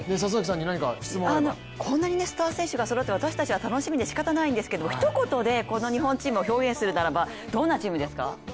こんなにスター選手がそろって私たちは楽しみでしかたがないんですけどひと言でこの日本チームを表現するならどんな言葉ですか？